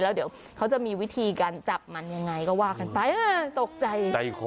แล้วเดี๋ยวเขาจะมีวิธีการจับมันยังไงก็ว่ากันไปตกใจ